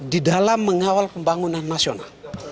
di dalam mengawal pembangunan nasional